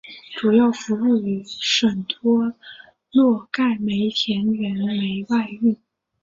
主要服务于和什托洛盖煤田原煤外运。